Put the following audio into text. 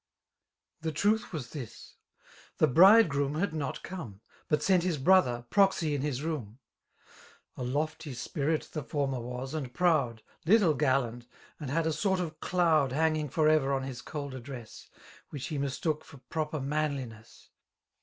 The truth was this :— ^The bridegroom had not come. But Bent his bn>ther> proxy in his loom. A lofty spiiit the Ibrmer was, and proud^ Little gallant^ and had a sort of doud Han^ng for ever on his cold address^ ' Which be mistook for proper manliness.